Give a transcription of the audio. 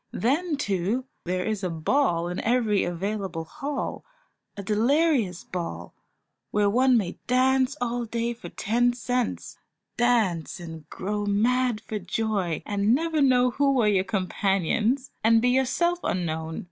Then, too, there is a ball in every available hall, a delirious ball, where one may dance all day for ten cents; dance and grow mad for joy, and never know who were your companions, and be yourself unknown.